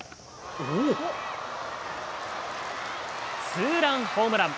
ツーランホームラン。